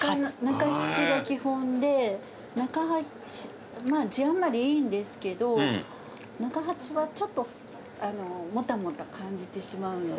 中七が基本でまあ字余りいいんですけど中八はちょっともたもた感じてしまうので。